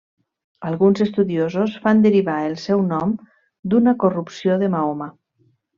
Alguns estudiosos fan derivar el seu nom d'una corrupció de Mahoma.